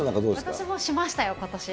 私もしましたよ、ことし。